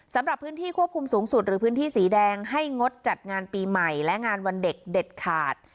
สำหรับพื้นที่ควบคุมสูงสุดหรือพื้นที่สีแดงให้งดจัดงานปีใหม่และงานวันเด็กเด็ดขาด